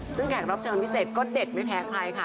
ซึ่งแขกรับเชิญพิเศษก็เด็ดไม่แพ้ใครค่ะ